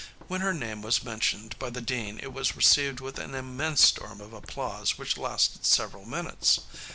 When her name was mentioned by the dean it was received with an immense storm of applause which lasted several minutes.